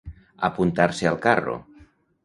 Apuntar-se al carro.